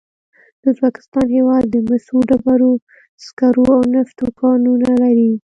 د ازبکستان هېواد د مسو، ډبرو سکرو او نفتو کانونه لري.